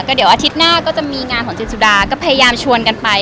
เดี๋ยวอาทิตย์หน้าก็จะมีงานของจิตสุดาก็พยายามชวนกันไป